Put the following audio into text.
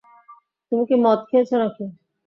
তুমি কি মদ খেয়েছ নাকি?